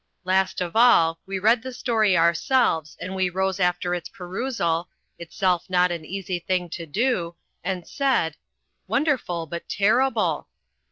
Last of all we read the story ourselves and we rose after its perusal itself not an easy thing to do and said, "Wonderful but terrible."